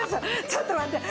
ちょっと待って。